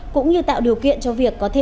cũng như tạo điều kiện cho việc có thiết